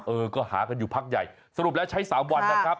เออก็หากันอยู่พักใหญ่สรุปแล้วใช้๓วันนะครับ